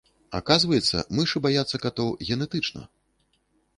Аказваецца, мышы баяцца катоў генетычна.